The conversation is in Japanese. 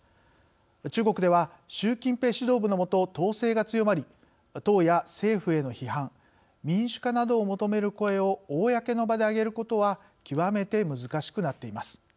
中国では習近平指導部のもと統制が強まり党や政府への批判民主化などを求める声を公の場で上げることは極めて難しくなっています。